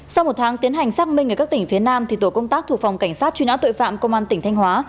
sau một tháng tiến hành xác minh ở các tỉnh phía nam tổ công tác thuộc phòng cảnh sát truy nã tội phạm công an tỉnh thanh hóa